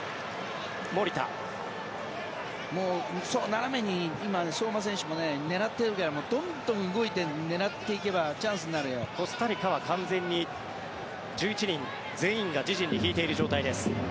斜めに今相馬選手も狙ってるからどんどん動いて狙っていけばコスタリカは完全に１１人全員が自陣に引いている状態です。